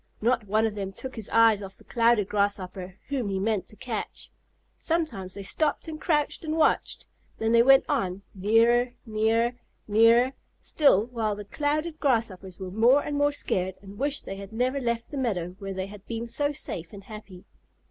Not one of them took his eyes off the Clouded Grasshopper whom he meant to catch. Sometimes they stopped and crouched and watched, then they went on, nearer, nearer, nearer, still, while the Clouded Grasshoppers were more and more scared and wished they had never left the meadow where they had been so safe and happy.